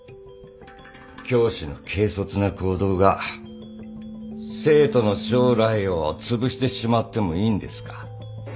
教師の軽率な行動が生徒の将来をつぶしてしまってもいいんですか？